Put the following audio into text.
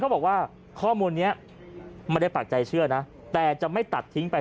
บอกว่าข้อมูลนี้ไม่ได้ปากใจเชื่อนะแต่จะไม่ตัดทิ้งไป